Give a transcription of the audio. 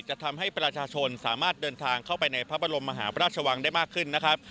จะทำให้ประชาชนสามารถเดินทางเข้าไปในพระบรมมหาพระราชวังได้มากขึ้นนะครับ